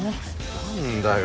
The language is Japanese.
何だよ